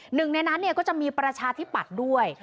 หนึ่งในนั้นก็จะมีประชาธิปัตย์ด้วย